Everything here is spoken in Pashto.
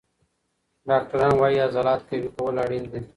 ډاکټران وایي عضلات قوي کول اړین دي.